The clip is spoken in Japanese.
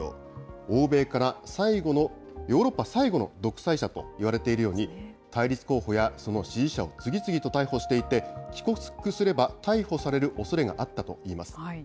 欧米から最後の、ヨーロッパ最後の独裁者と言われているように、対立候補やその支持者を次々と逮捕していて、帰国すれば逮捕されるおそれがあったといいます。